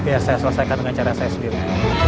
ya saya selesaikan dengan cara saya sendiri